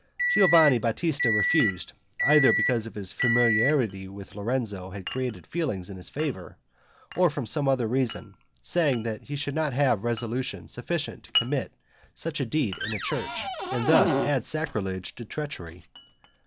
Giovanni Batista refused, either because his familiarity with Lorenzo had created feelings in his favor, or from some other reason, saying he should not have resolution sufficient to commit such a deed in a church, and thus add sacrilege to treachery.